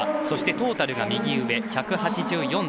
そしてトータルが１８４．８３。